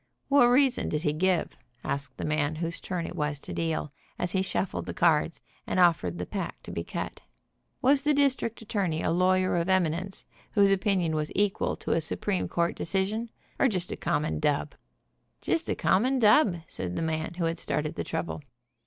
"What reason did he give?" asked the man whose turn it was to deal, as he shuffled the cards, and of fered the pack to be cut. "Was the district attorney a lawyer of eminence, whose opinion was equal to a Supreme court decision, or just a common dub?" "Just a common dub," said the man who had started the trouble.